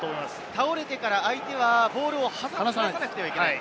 倒れてから相手はボールを離さなくてはいけない。